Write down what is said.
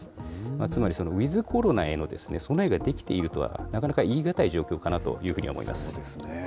つまりウィズコロナへの備えができているとはなかなか言い難い状況かなというふうに思います。